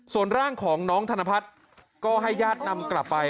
ส่วนร่างของน้องธนพัฒน์ก็ให้ญาตินำกลับไป